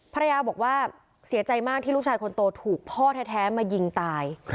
ภรรยาบอกว่าเสียใจมากที่ลูกชายคนโตถูกพ่อแท้มายิงตาย